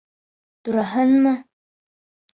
Тураһынмы?